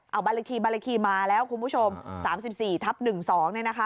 เอาบัลลิกทีบัลลิกทีมาแล้วคุณผู้ชม๓๔ทับ๑๒เนี่ยนะคะ